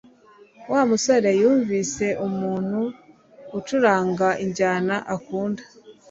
Wa musore yumvise umuntu ucuranga injyana akunda